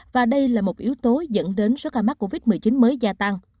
và đây là một yếu tố dẫn đến số ca mắc covid một mươi chín mới gia tăng